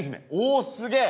おすげえ。